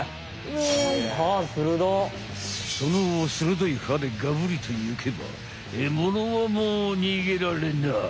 その鋭い歯でガブリといけばえものはもう逃げられない！